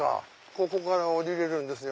ここから下りれるんですよ。